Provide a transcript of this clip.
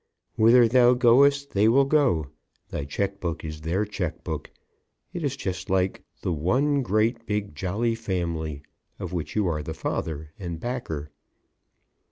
Whither thou goest they will go; thy check book is their check book. It is just like the one great, big, jolly family of which you are the father and backer.